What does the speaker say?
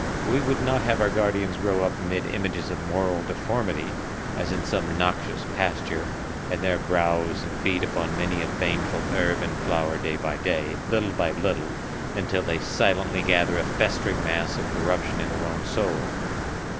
We would not have our guardians grow up amid images of moral deformity, as in some noxious pasture, and there browse and feed upon many a baneful herb and flower day by day, little by little, until they silently gather a festering mass of corruption in their own soul.